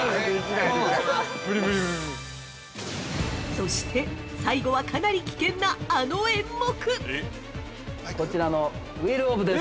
◆そして、最後はかなり危険なあの演目。